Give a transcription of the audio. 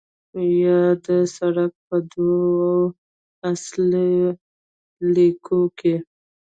یاد سړک په دوو اصلي لیکو کې